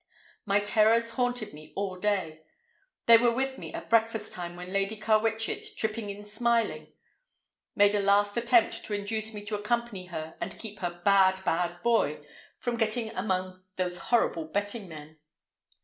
My terrors haunted me all day. They were with me at breakfast time when Lady Carwitchet, tripping in smiling, made a last attempt to induce me to accompany her and keep her "bad, bad boy" from getting among "those horrid betting men."